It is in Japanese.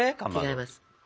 違います。